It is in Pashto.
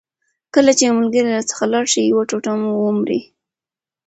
کله چي یو ملګری راڅخه لاړ سي یو ټوټه مو ومري.